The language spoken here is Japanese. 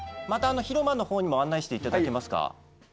また広間のほうにも案内していただけますか？